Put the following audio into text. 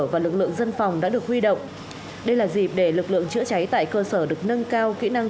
và lực lượng dân phòng đã được huy động đây là dịp để lực lượng chữa cháy tại cơ sở được nâng cao kỹ năng